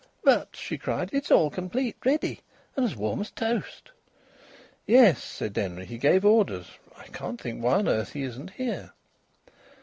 "But," she cried, "it's all complete, ready! And as warm as toast." "Yes," said Denry, "he gave orders. I can't think why on earth he isn't here."